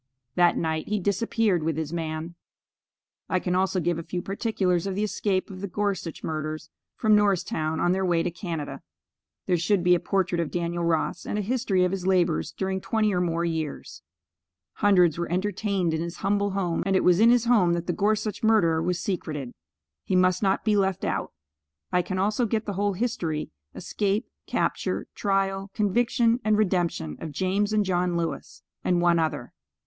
That night he disappeared with his man. I can also give a few particulars of the escape of the Gorsuch murderers, from Norristown on their way to Canada. There should be a portrait of Daniel Ross, and a history of his labors during twenty or more years. Hundreds were entertained in his humble home, and it was in his home that the Gorsuch murderer was secreted. He must not be left out. I can also get the whole history, escape, capture, trial, conviction and redemption of James and John Lewis, and one other.